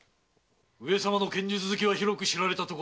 上様の剣術好きは広く知られたところだ！